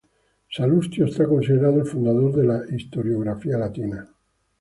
Salustio es considerado el fundador de la historiografía latina.